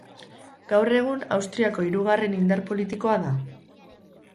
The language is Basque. Gaur egun, Austriako hirugarren indar politikoa da.